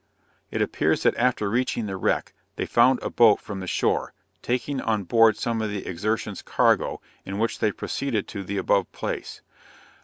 It appears that after reaching the wreck, they found a boat from the shore, taking on board some of the Exertion's cargo, in which they proceeded to the above place.